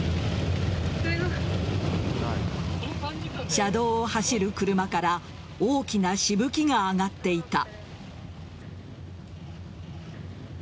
車道を走る車から大きなしぶきが上がっていた。